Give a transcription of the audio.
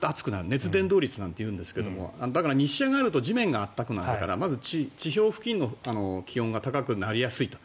熱伝導率なんて言うんですがだから日射があると地面が暖かくなるからまず、地表付近の気温が高くなりやすいと。